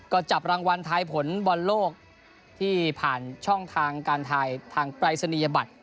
ก็จับรางวัลทายผลบอลโลกที่ผ่านช่องทางการถ่ายทางปรายศนียบัตร